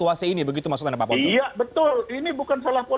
jadi ini bukan salah polisi juga tidak